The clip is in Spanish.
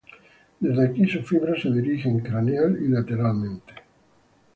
Desde aquí sus fibras se dirigen craneal y lateralmente.